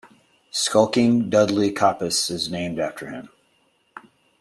Skulking Dudley Coppice is named after him.